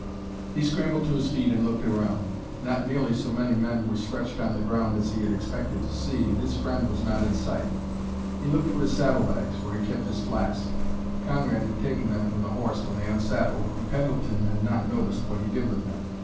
He scrambled to his feet and looked around. Not nearly so many men were stretched on the ground as he had expected to see, and his friend was not in sight. He looked for his saddle bags, where he kept his flask. Conrad had taken them from the horse when they unsaddled, and Pendleton had not noticed what he did with them.